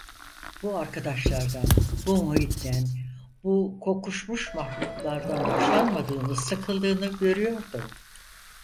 Bu arkadaşlardan, bu muhitten, bu kokuşmuş mahluklardan hoşlanmadığını, sıkıldığını görüyordum.